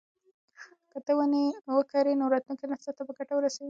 که ته ونې وکرې نو راتلونکي نسل ته به ګټه ورسوي.